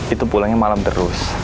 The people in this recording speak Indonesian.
itu pulangnya malam terus